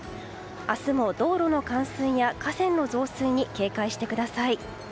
明日も道路の冠水や河川の増水に警戒してください。